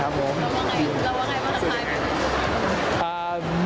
แล้วว่าไงว่าคล้ายโบ